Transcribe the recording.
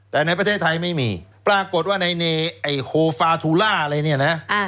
แต่ในประเทศไทยไม่มีปรากฏว่าในไอ้โคฟาทูล่าอะไรเนี่ยนะ